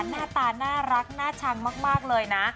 หน้าตาน่ารักน่าชังมากเลยนะ